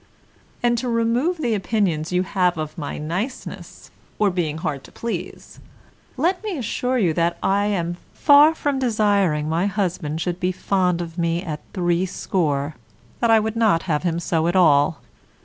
And to remove the opinions you have of my niceness, or being hard to please, let me assure you I am far from desiring my husband should be fond of me at threescore, that I would not have him so at all.